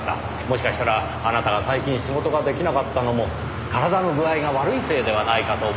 もしかしたらあなたが最近仕事が出来なかったのも体の具合が悪いせいではないかと思いましてね。